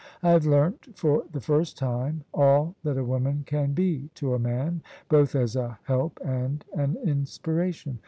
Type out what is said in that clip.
I have learnt for the first time all that a woman can be to a man, both as a help and an inspiration.